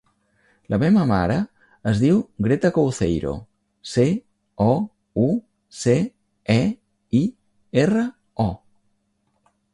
La meva mare es diu Greta Couceiro: ce, o, u, ce, e, i, erra, o.